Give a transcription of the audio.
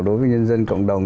đối với nhân dân cộng đồng